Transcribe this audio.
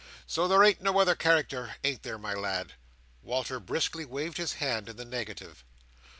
So there ain't no other character; ain't there, my lad?" Walter briskly waved his hand in the negative.